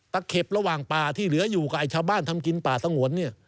แต่เข็บระหว่างป่าที่เหลืออยู่กับชาวบ้านทำกินป่าสังหวน